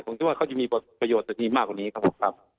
ผมคิดว่าเขาจะมีประโยชน์แต่ดีมากกว่านี้ครับผมครับ